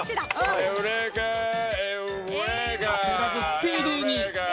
焦らずスピーディーに。